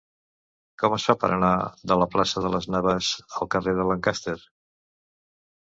Com es fa per anar de la plaça de Las Navas al carrer de Lancaster?